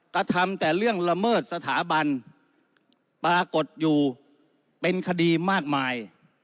กระทำแต่เรื่องละเมิดสถาบันปรากฏอยู่เป็นคดีมากมาย